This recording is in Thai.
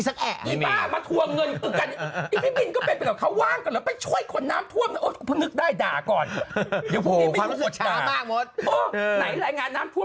สักแห่งมาทวงเงินกันไปช่วยคนน้ำท่วมนึกได้ด่าก่อน